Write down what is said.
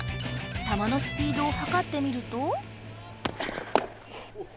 たまのスピードをはかってみると。